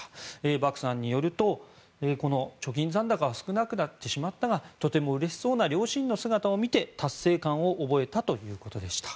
バクさんによると、貯金残高は少なくなってしまったがとてもうれしそうな両親の姿を見て達成感を覚えたということでした。